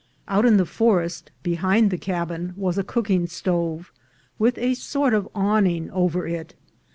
Out in the forest, behind the cabin, was a cooking stove, with a sort of awning over it.